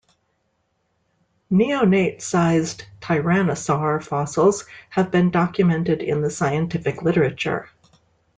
Neonate sized tyrannosaur fossils have been documented in the scientific literature.